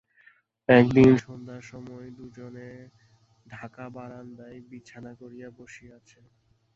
একদিন সন্ধ্যার সময় দুইজনে ঢাকা-বারান্দায় বিছানা করিয়া বসিয়াছে।